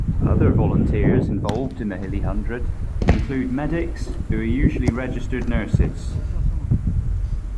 Other volunteers involved in the Hilly Hundred include medics, who are usually registered nurses.